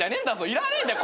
いらねえんだよ